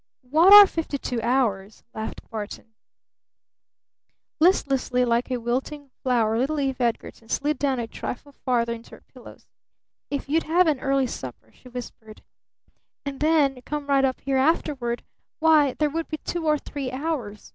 "What are fifty two hours?" laughed Barton. Listlessly like a wilting flower little Eve Edgarton slid down a trifle farther into her pillows. "If you'd have an early supper," she whispered, "and then come right up here afterward, why, there would be two or three hours.